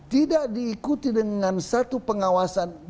tidak diikuti dengan satu pengawasan